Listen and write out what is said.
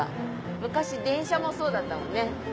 昔電車もそうだったもんね。